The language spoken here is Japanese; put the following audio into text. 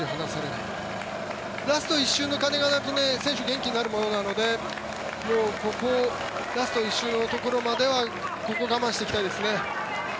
ラスト１周の鐘が鳴ると選手、元気になるものなのでここラスト１周のところまでは我慢していきたいですね。